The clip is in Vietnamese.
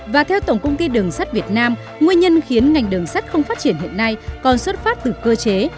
và theo tổng công ty đường sắt việt nam nguyên nhân khiến ngành đường sắt không phát triển hiện nay còn xuất phát từ cơ chế